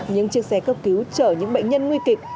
những chiếc xe cấp cứu chở những bệnh nhân nguy kịch